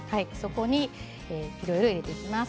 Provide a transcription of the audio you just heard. ここにいろいろ入れていきます。